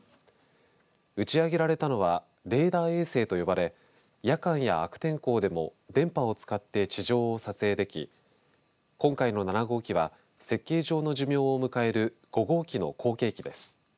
打ち上げられたのはレーダー衛星と呼ばれ夜間や悪天候でも電波を使って地上を撮影でき今回の７号機は設計上の寿命を迎える５号機の後継機です。